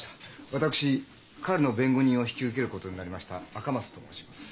私彼の弁護人を引き受けることになりました赤松と申します。